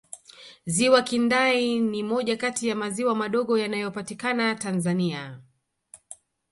ziwa kindai ni moja Kati ya maziwa madogo yanayopatikana tanzania